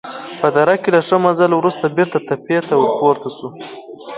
په دره کې له ښه مزل وروسته بېرته تپې ته ورپورته شوو.